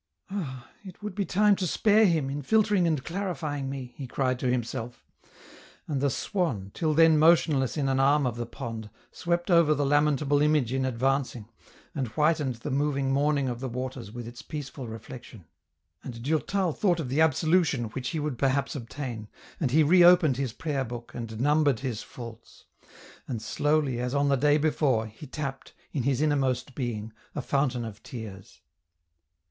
" Ah ! it would be time to spare Him, in filtering and clarifying me," he cried to himself. And the swan, till then motionless in an arm of the pond, swept over the lamentable image in advancing, and whitened the moving mourning of the waters with its peaceful reflection. And Durtal thought of the absolution which he would perhaps obtain, and he reopened his prayer book and numbered his faults ; and, slowly, as on the day before, he tapped, in his innermost being, a fountain of tears.